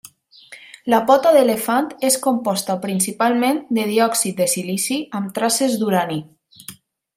La pota d'elefant és composta principalment de diòxid de silici amb traces d'urani.